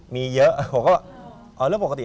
ไม่ครับ